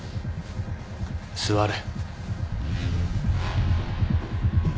座れ。